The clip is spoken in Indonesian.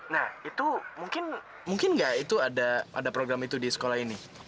nah itu mungkin nggak itu ada program itu di sekolah ini